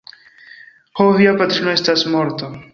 Ho, via patrino estas morta.